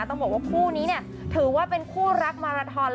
ต้องบอกว่าคู่นี้เนี่ยถือว่าเป็นคู่รักมาราทอน